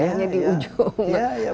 hanya di ujung